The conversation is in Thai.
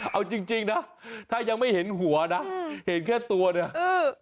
เอาจริงนะถ้ายังไม่เห็นหัวนะเห็นแค่ตัวเนี่ยเออ